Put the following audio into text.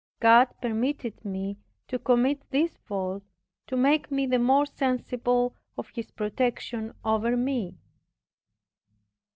God permitted me to commit this fault, to make me the more sensible of His protection over me.